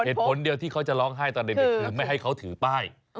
เหตุผลเดียวที่เขาจะร้องไห้ตอนเด็กคือไม่ให้เขาถือป้าย